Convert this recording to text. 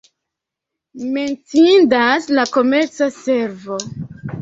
Menciindas la komerca servo.